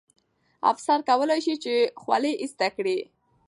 افسر کولای سي چې خولۍ ایسته کړي.